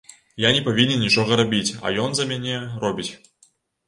Я не павінен нічога рабіць, а ён за мяне робіць.